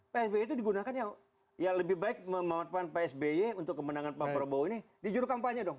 pak sb itu digunakan ya lebih baik memanfaatkan pak sb untuk kemenangan pak prabowo ini di jurukampanye dong